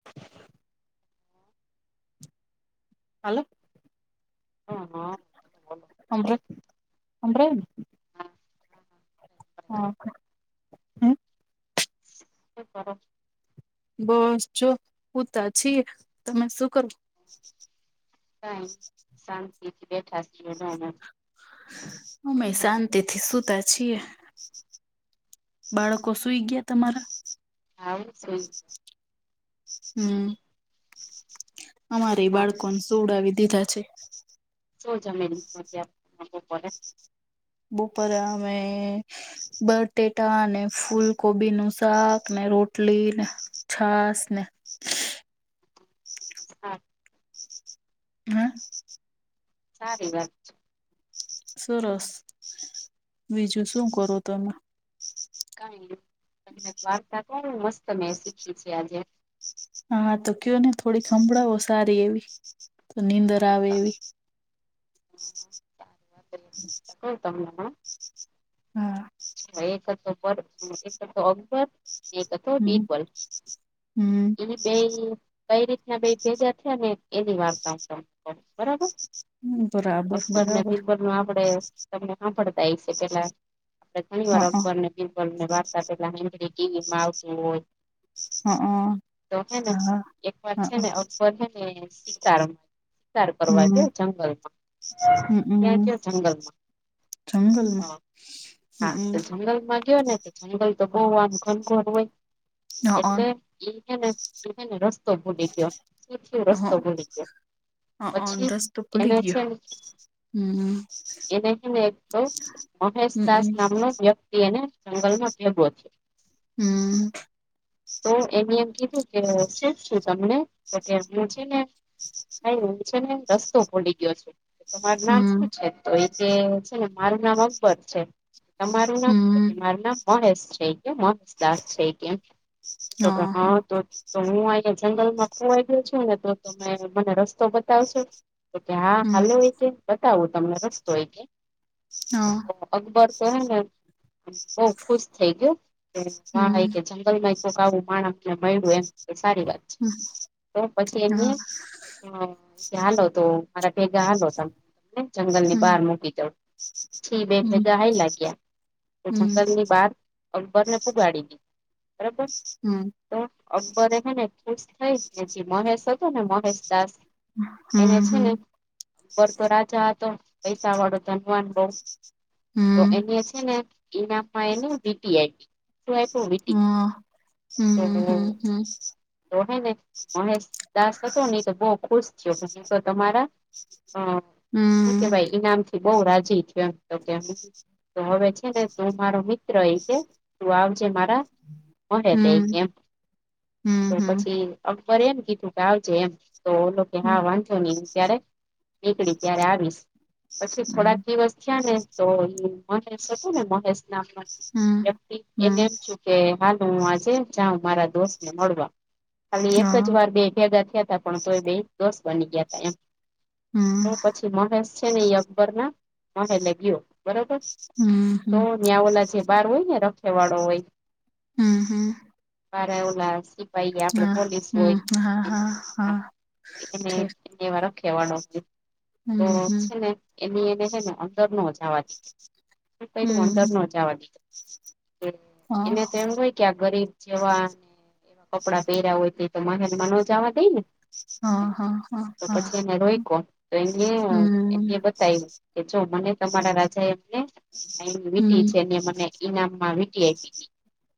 [inaudible] Hello. હ હા! બોલો [unintelligible] હા! શું કરો? બસ જો હુંતા છીએ તમે શું કરું? કાંઈ નહી શાંતિથી બેઠા છીએ [unintelligible] અમેય શાંતિ થી સુતા છીએ. બાળકો સુઈ ગ્યા તમારા. હાલ સુઈ હમ અમારેય બાળકો ન સુવડાવી દીધા છે. શું જમી [inaudible] બપોરે અમે બટેટા ને ફૂલકોબી નું શાક ને રોટલી ને છાસ ને હા. ના સારી વાત છે. સરસ બીજું શું કરો તમે? [inaudible] કંઈક વાર્તા કરું મસ્ત મે શીખી છે આજે? હા તો ક્યોને થોડી સંભળાવો સારી એવી- નીંદર આવે એવી? [unintelligible] હમ [unintelligible] એક હતો [inaudible] અને એક હતો અકબર- એક હતો હમ બિરબલ હમ ઈ બેય- કઈ રીતના બેય ભેગા થ્યાને એની વાર્તા [inaudible] બરાબર- બરાબર અકબર ને બરાબર બિરબલ નું આપડે તમને સાંભળતા હશે પેલા- ઘણી વાર હા હ અકબર ને બિરબલ ને વાર્તા પેલા [inaudible] ટીવી માં આવતું હોય- હ હ તો હે ને એક વાર છે ને અકબર હે ને [inaudible] શિકાર કરવા ગ્યો જંગલ માં ક્યાં ગ્યો જંગલ માં- જંગલમાં હા તો જંગલ માં ગ્યો ને જંગલ તો બોવ આમ ઘનઘોર હોય? એટલે ઈ હેને ઈ હેને રસ્તો ભૂલી ગ્યો શું થ્યું રસ્તો ભૂલી ગ્યો- પછી એને છેને- એને હેને એક કવ મહેેશદાસ નામનો- વ્યક્તિ એને જંગલ માં ભેગો થ્યો? તો એને એમ કીધું કે [inaudible] તમે- તો કે હું છે ને ભાઈ હું છે ને રસ્તો ભૂલી ગ્યો છુ? તમારું નામ શું છે તો એ કે છે ને મારું નામ અકબર છે. તમારું નામ તોકે મારું નામ મહેશ છે ઇકે મહેશ દાસ છે ઇકે? તો કે હ તો- તો હું આયા જંગલ માં ખોવાઈ ગ્યો છું ને તો તમે મને રસ્તો બતાવશો? તો કે હા હાલો ઈ કે બતાવું તમને રસ્તો ઈ કે? હ તો [unintelligible] અકબર તો હે ને બવ ખુશ થઈ ગયો હો હા ઈ કે? [inaudible] માં કોક આવું માણા મને મયળું એમ કે સારી વાત છે તો પછી એને- હ કે હાલો તો મારા ભેગા હાલો તમને જંગલ ની બહાર મૂકી દેવ - પછી બેય ભેગા હાયલા ગ્યા- [inaudible] જંગલ ની બહાર અકબર ને પોગાડી [inaudible] બરોબર તો અકબરે હેંને ખુશ થઈ ને જે મહેશ- [inaudible] મહેશદાસ એને છે ને- બર તો રાજા હતો પૈસા વાળો ધનવાન બઉ- તો એને છે ને ઈનામ એનું વીટી આયપી- હ હમ હમ હમ તો હેં ને મહેશ દાસ હતો ને ઈ તો બોવ ખુશ થ્યો [inaudible] તો તમારા હમ [unintelligible] [inaudible] ઈનામ થી બોવ રાજી થ્યો એમ તો કે તો હવે છે ને તું મારો મિત્ર- ર કે તું આવજે મારા મહેલ એમ- તો પછી અકબર એમ કીધું કે આવજે એમ તો હા વાંધો નહી ત્યારે- નીકળી ત્યારે આવીશ, પછી થોડાક દિવસ થયા ને- તો મહેશ હતું ને, મહેશ નામનો વ્યક્તિ- એને એમ છુ કે હાલ હું આજે જાઉં મારા દોસ્ત ને મળવા- ખાલી એક જ વાર બે ભેગા થયા હતા પણ તો એ બે દોસ બની ગયાતા એમ- તો હમ્મ પછી મહેશ છે ને એ અકબરના મહેલે ગયો, બરોબર તો- ત્યાં ઓલા જે બાર હોય ને રખેવાળો હોય- હમ્મ હમ્મ બારા ઓલા સિપાહી, આપડે પોલીસ હમ હા હા હોય. હા એને ઠીક એવા રખેવાડ હમ તો હમ છે ને એની એને છેને. અંદરનો જાવા દે હમ અંદર ન જવા દીધો હા એને તો એમ હોય કે આ ગરીબ. જેવા કપડાં પહેર્યા હોય તે તો મહેલમાં નો જાવા દઈ ને હ હ તો પછી એને રોઈકો તો એ હમ એ બતાવુ કે જો મને તમારા રાજા એમને વીટી હમ છેને મને ઈનામમાં વીટી આપીતી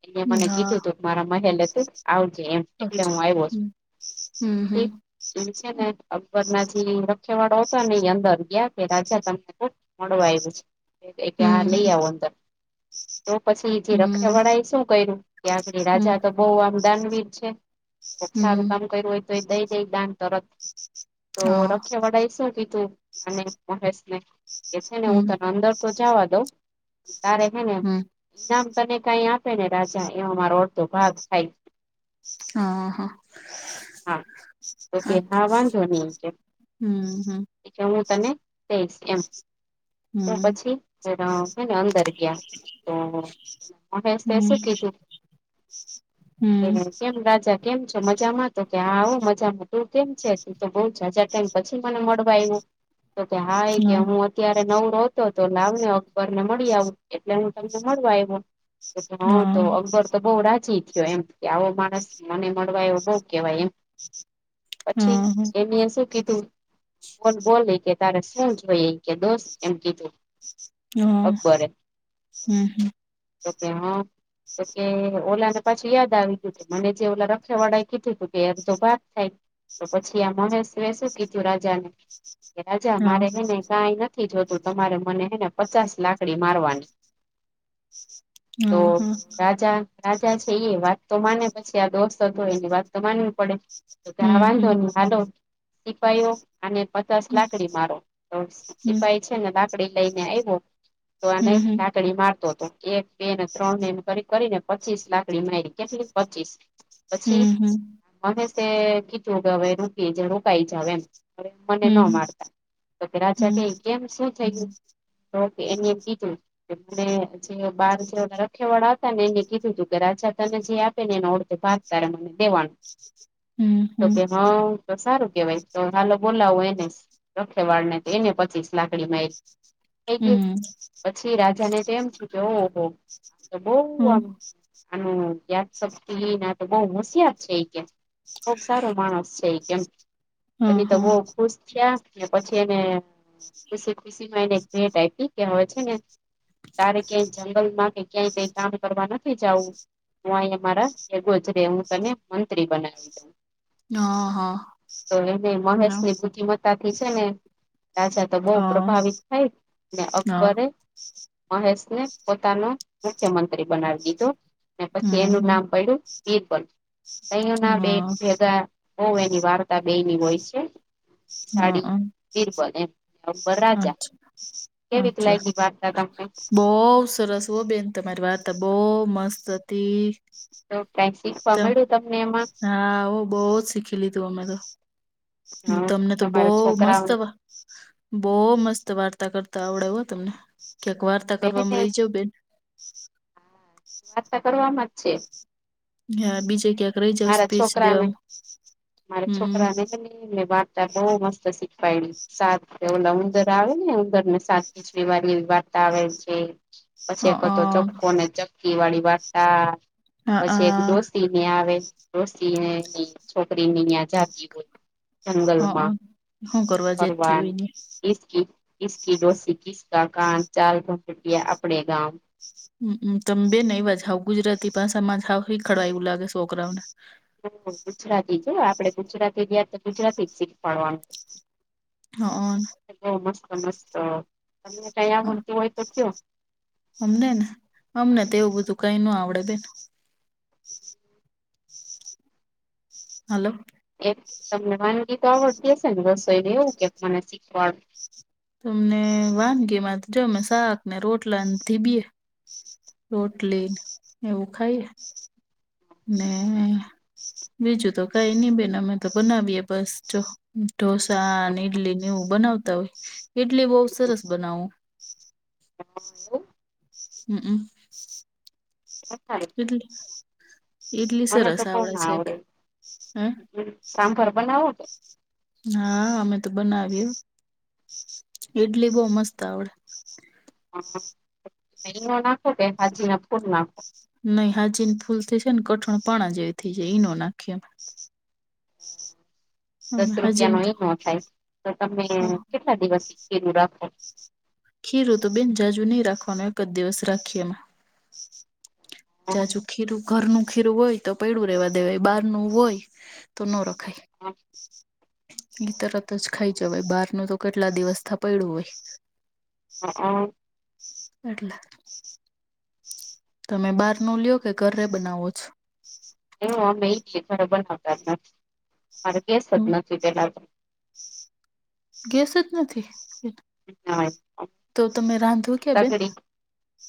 એલે મને હા કીધું તું મારા મહેલે તુ આવજે એમ એટલે હું આવ્યો હમ છુ. હમ એ છે ને અકબરના જે રખેવાળો હતો ને એ અંદર ગયા કે રાજા તમને મળવા આવ્યું છે કે લઈ હમ આવો અંદર તો પછી જે હમ રખવાડા એ શું કર્યું કે આગળ હમ હમ રાજા તો બહુ આમ વીર છે કોક સારું હમ કામ કર્યું હોય તો એ દઈ દઈ દાન તરત તો હા રખેવાડાએ શું કીધું અને મહેશને કે છે ને હું હમ તને અંદર તો જવા દઉં તારે હે ને હમ ઈનામ તને કઈ આપે ને રાજા એ મારો અડધો ભાગ થાય. હ હ હા ઓકે હા વાંધો નહી છે. હમ હમ એટલે હું તને દઈશ એમ તો હમ પછી. ને અંદર ગયા તો મહેશે હમ્મ શું એ કેમ રાજા કેમ છો મજામાં તો કે આવ મજામાં તું કેમ છે, તુ તો બઉ જાજા ટાઈમ પછી મને મળવા આવો. તો કે હા કે હમ હું અત્યારે નવરોહતો તો લાવને અકબરને મળી આવું એટલે હું તમને મળવા આવ્યો હા તો અકબર તો બહુ રાજી થયો એમ કે આવો માણસ મને મળવા આવો બહુ કેવાય એમ પછી હા હા એને શું કીધુ બોલ બોલ ઇ કે તારે શું જોય કે દોસ, એમ કીધુ હમ્મ હમ્મ તો કે હા તો કે ઓલાને પછી યાદ આવી ગયુ. કિધું મને જે ઓલા રખેવાળા કીધું તું કે અડધો ભાગ થાય. તો પછી આ મહેશ એ શું કીધું રાજાને, રાજા હા મારે હને કઈ નથી. નથી જતું તમારે મને હે ને પચાસ લાકડી મારવાની તો હા હા રાજા ર જા છે, એ વાત તો માને પછી આ દોસ્ત હતો એની વાત તો માનવી પડે તો કે આ હમ વાંધો હમ ને હાલો સિપાઈઓ અને પચાસ હમ લાકડી મારો તો હમ સિપાઈ છે ને લાકડી લઈને આવ્યો તો આ હમ લાકડી મારતો હતો એ બે ને ત્રણ ને એ કરી કરીને પચીસ લાકડી મારી કેટલી પચીસ પછી. હમ અમે તે કીચું કે હવે રોકી રોકાઈ જ એમ અરે મને હમ ન મારતા તો રાજા હમ કે કેમ શું થયુ. ઓકે એની એમ બીધુ ને જે બાર જે રખેવાળા આવતા ને એને કીધું તું કે રાજા તને જે આપે ને એને ઓડધ ભાગ તારે મને દેવાનું હમ તો હમ કે હ તો સારું કેવાય તો હાલો બોલાવો એને લખે વાળ ને તો એને પચીસ લાકડી મારી થઈ ગયું પછી રાજા ને તો એમ છુ, કે ઓહ તો બહ આમ આનું યાદ શક્તિ એ તો બહ મુશયાત છે, એ કે બહક સારો માણસ છે, કેમ પ તો બહ ખુશ થયા. પછી એને ખુશી ખુશી માં એને એક ભેટ આપી કે હોય છેને. તારે ક્યાંય જંગલમાં કે ક્યાંય કઈ કામ કરવા નથી જવું હું અહીંયા મારા એગોજ રે હું તને મંત્રી બનાવી દઉં તો એને મહેશ ની બુદ્ધિમતા તાથી છે ને રાજા તો બહુ પ્રભાવિત થાય ને અ, અકબરે મહેશને પોતાનો મુખ્યમંત્રી બનાવી દીધો પછી એનું હમ, નામ પડ્યું બીરબલ અહી હમ, ના બે ન ભેગા ઓ એની વાર્તા બે ની હોય છે અ, સાડી અ, પિરબલ એમ એ ઉપર રાજા અચ્છા, કેવીિકલાઈ ની વાર્તા તને બહવ સરસ હો બેન તમારી વાત બહુ મસ્ત હતી તો કાઈ શીખવા તેમ મળ્યું તમને એમાં હા હું બહ જ શીખી લીધું અમે તો હ તમને તો તમારા બહ મસ્ત છોકરાઓને હ બહ મસ્ત વાર્તા કરતા આવડે હો તમને ક્યાંક વાર્તા કરવામાં હા રહી જાવ બેન. વાતતા કરવાવામાં જ છે હા બીજે ક્યાંક રહી જાવ મારા સ્પીચ દેમ છોકરાને મારા હમ છોકરાને હે ને વાર્તા બહ મસ્ત શીખવાયલી સા ઓલા ઉંદર આવે ને ઉંદર ને સા પીમારી બર્તાવે છે પછી અ, એક અ, હતો ચપકો ને ચક્કી વાળી વાર્તા અ, અ, પછી એક દોસ્ ને આવે રોષતીને છોકરીને અં જાતી હોોલ અ, અ, જંગલમાં હું કરવા જતી હોય ને. પરવાનકી કસકી ડોસી કિસ ક કાન ચાર ઘટટિયા આપણે ગાવ હ તમ બે ને એવા જાવ ગુજરાતી ભાામાં જ હ ખડવા એવું લાગે છોકરાઓને ગુજરાતી જો આપડે ગુજરાતી ાર તો ગુજરાતી જ શીખવાડવાનું [inaudible] મસ્ત મસ્ત અને કઈ આ હોતી હોય તો કયો અમને ને અમને તેવું બધું કઈ ન આવડે બે હલો એ તમને વાનગી તો આવડતી હશે ને બસો એને એવું કે મને શીખવાડ તમને વાનગીમાં જમે શાકને રોટલાથીીબી રોટલી એવું ખાઈ ને બીજું તો કઈ નહી બેન અમે તો બનાવીએ બસ જો ઢોસા અને ઈડલી નેવું બનાવતા હોય ઈડલી બહવ સરસ બનાવું એવું હમમ એ ઈડલી ઈડલી મને તો સરસ બહવ ના છે આવડે હ સાંભર બનાવો તો હા અમે તો બનાવી ઈડલી બહ મસ્ત આવડે હ મહનો નાખો કે હાજી ના પૂર નાખો નઈ હાજીની ફૂલ થઈ છે ને કઠણ પા જેવી થઇ જાય ઈનો નાખીમ દસ અમે રૂપિયા હાજીન નો એ ન થાય તો તમે અ કેટલા દિવસીલું રાખો ખીરું તો બેન જાજુ નહી રાખવાનું એક જ દિવસ રાખીએ એમાં જે ખીરું ઘરનું ખીરું હોય તો પૈડું રેવા દેવાય બહાર નું હોય તો ન રખાય હા એઈ તરત જ ખાઈ જવાય બહાર ન તો કેટલા દિવસ પૈડુ હોય હા હ એટલે તમે બાર નો લ્યો કે ઘરે બનાવો છો એ અમે એ છીએ હવે ગણકારતાજ નથી અમારે ગેસ જ હમ્મ, નથી પેલાતો ગેસ જ નથી. તોતો હા કે હા બેન સગડી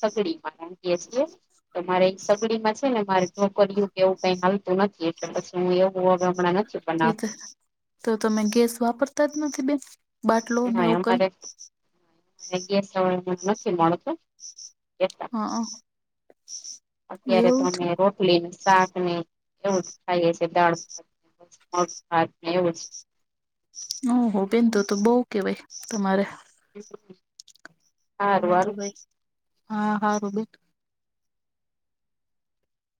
સગડી માં મૂકીએ છીએ. તો મારે એક સગડી માં છે ને મારે ઢોકરીયું કે એવું કઈ હાલતું નથી એટલે બસ હું એવું હવે હમણાં નથી બનાવતી તોતો તો તમે ગેસ વાપરતા જ નથી બેન બાટલો ને હા એવું કઈ અમારે ગેસ હવે નથી મળતો હ [unintelligible] અત્યારે એવું છે તમે રો ટલી શાક ને એવું જ ખાઈએ છે દાળભાત ભાત એવું જ [unintelligible] બેન તો તો બવ કેવાય તમારે [inaudible] અમે હાલો તો ભાઈ હા હારુ બેન